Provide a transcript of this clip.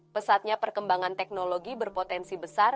pesatnya perkembangan teknologi berpotensi besar